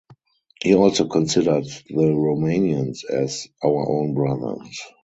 He also considered the Romanians as "our own brothers".